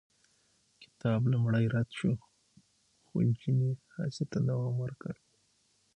کتاب لومړی رد شو، خو جین یې هڅې ته دوام ورکړ.